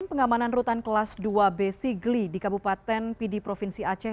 pengamanan rutan kelas dua b sigli di kabupaten pidi provinsi aceh